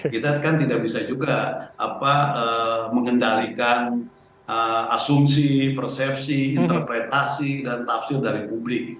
kita kan tidak bisa juga mengendalikan asumsi persepsi interpretasi dan tafsir dari publik